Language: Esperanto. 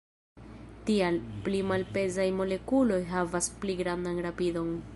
Tial, pli malpezaj molekuloj havas pli grandan rapidon.